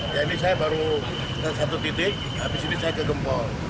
jadi saya baru satu titik habis ini saya ke gempol